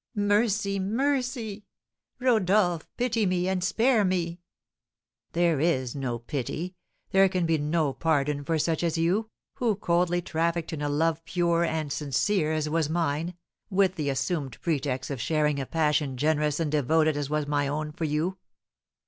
"Mercy, mercy! Rodolph, pity me, and spare me!" "There is no pity, there can be no pardon for such as you, who coldly trafficked in a love pure and sincere as was mine, with the assumed pretext of sharing a passion generous and devoted as was my own for you.